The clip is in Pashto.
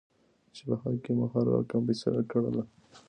چې په حق کې مو هر رقم فيصله کړله.